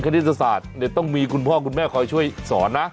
คณิตศาสตร์ต้องมีคุณพ่อคุณแม่คอยช่วยสอนนะ